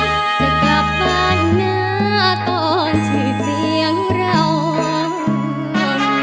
จะกลับบ้านหน้าตอนที่เสียงเรามนต์